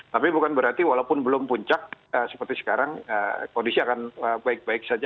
tapi bukan berarti walaupun belum puncak seperti sekarang kondisi akan baik baik saja